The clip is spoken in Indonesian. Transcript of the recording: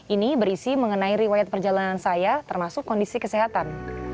ini berisi mengenai riwayat perjalanan saya termasuk kondisi kesehatan